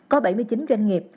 có bảy mươi chín doanh nghiệp